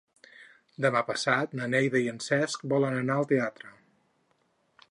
Demà passat na Neida i en Cesc volen anar al teatre.